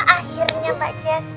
akhirnya mbak jess